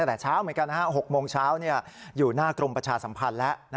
ตั้งแต่เช้าเหมือนกัน๖โมงเช้าอยู่หน้ากรมประชาสัมพันธ์แล้ว